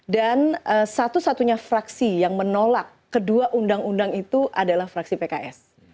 dan satu satunya fraksi yang menolak kedua undang undang itu adalah fraksi pks